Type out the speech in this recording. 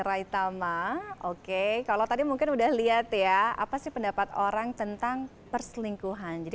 raitama oke kalau tadi mungkin udah lihat ya apa sih pendapat orang tentang perselingkuhan jadi